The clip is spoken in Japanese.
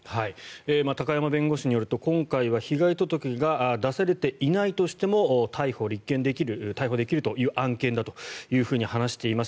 高山弁護士によると今回は被害届が出されていないとしても逮捕できるという案件だというふうに話しています。